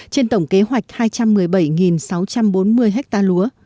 trên tổng kế hoạch hai trăm một mươi bảy sáu trăm bốn mươi ha lúa